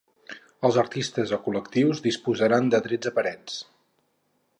Els artistes o col·lectius disposaran de tretze parets.